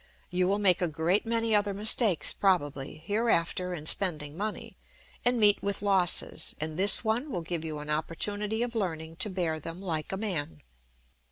You will make a great many other mistakes, probably, hereafter in spending money, and meet with losses; and this one will give you an opportunity of learning to bear them like a man."